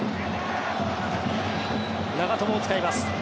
長友を使います。